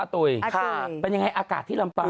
ตุ๋ยเป็นยังไงอากาศที่ลำปาง